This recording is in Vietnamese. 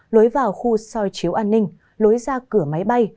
lối vào khu soi chiếu an ninh lối ra cửa máy bay